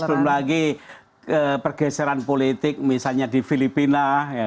belum lagi pergeseran politik misalnya di filipina